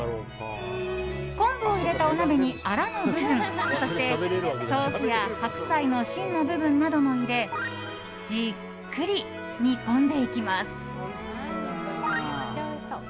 昆布を入れたお鍋にアラの部分そして、豆腐や白菜の芯の部分なども入れじっくり煮込んでいきます。